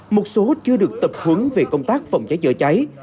một số chưa được tập huấn về công tác phòng cháy chữa cháy